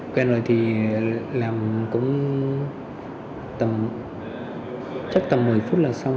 quen rồi thì làm cũng tầm chắc tầm một mươi phút là xong